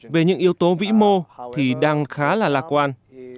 về những yếu tố vĩ mô thì đang khá là lạc quan